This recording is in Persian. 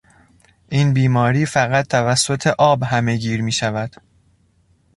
این بیماری فقط توسط آب همهگیر میشود.